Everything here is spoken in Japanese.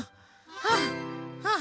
はあはあ。